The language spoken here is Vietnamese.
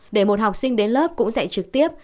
để một học sinh đến lớp cũng dạy trực tiếp